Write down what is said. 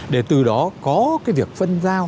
để từ đó có cái việc phân giải phù hợp